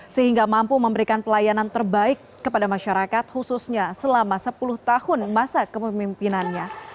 sehingga mampu memberikan pelayanan terbaik kepada masyarakat khususnya selama sepuluh tahun masa kepemimpinannya